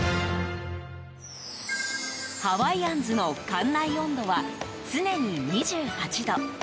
ハワイアンズの館内温度は常に２８度。